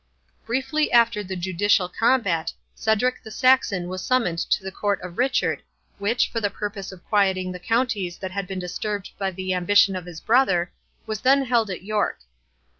Briefly after the judicial combat, Cedric the Saxon was summoned to the court of Richard, which, for the purpose of quieting the counties that had been disturbed by the ambition of his brother, was then held at York.